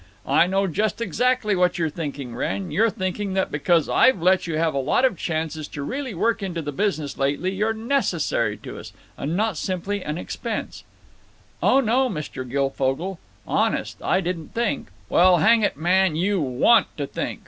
I know just exactly what you're thinking, Wrenn; you're thinking that because I've let you have a lot of chances to really work into the business lately you're necessary to us, and not simply an expense—" "Oh no, Mr. Guilfogle; honest, I didn't think—" "Well, hang it, man, you want to think.